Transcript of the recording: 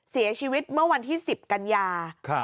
เสียชีวิตเมื่อวันที่๑๐กันยา